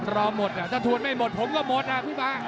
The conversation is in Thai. รอหมดถ้าทวนไม่หมดผมก็หมดอ่ะพี่ป๊า